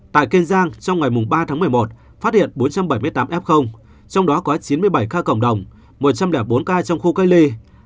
tại kiên giang trong ngày ba tháng một mươi một phát hiện bốn trăm bảy mươi tám f trong đó có chín mươi bảy ca cộng đồng một trăm linh bốn ca trong khu cách ly